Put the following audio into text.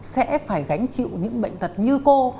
sẽ phải gánh chịu những bệnh tật như cô